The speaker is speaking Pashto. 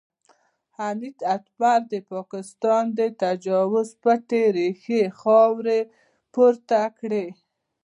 حنیف اتمر د پاکستان د تجاوز پټې ریښې خاورې پورته کړې.